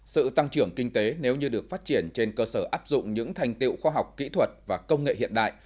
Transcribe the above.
sự tăng trưởng kinh tế nếu như được phát triển trên cơ sở áp dụng những thành tiệu khoa học kỹ thuật và công nghệ hiện đại